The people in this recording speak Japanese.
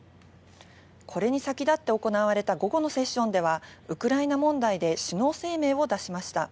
これに先立って行われた午後のセッションでは、ウクライナ問題で首脳声明を出しました。